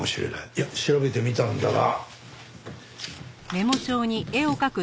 いや調べてみたんだが。